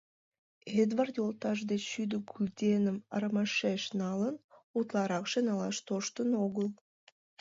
Эдвард йолташыж деч шӱдӧ гульденым арымашеш налын, утларакше налаш тоштын огыл.